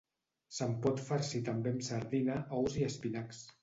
Se'n pot farcir també amb sardina, ous i espinacs.